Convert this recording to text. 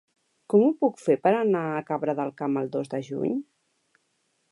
Com ho puc fer per anar a Cabra del Camp el dos de juny?